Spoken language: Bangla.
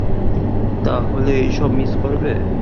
তাহলে এইসব মিস করবে?